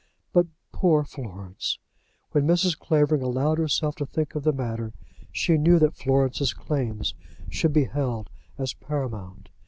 But poor Florence! When Mrs. Clavering allowed herself to think of the matter she knew that Florence's claims should be held as paramount.